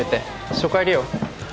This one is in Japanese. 初回利用？